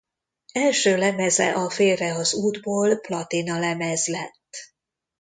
Első lemeze a Félre az útból platinalemez lett.